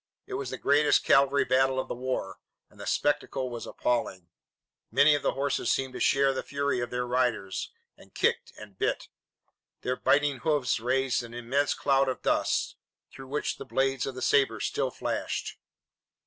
It was the greatest cavalry battle of the war, and the spectacle was appalling. Many of the horses seemed to share the fury of their riders and kicked and bit. Their beating hoofs raised an immense cloud of dust, through which the blades of the sabres still flashed.